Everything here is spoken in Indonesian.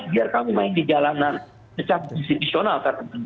biar kami main di jalanan secara institusional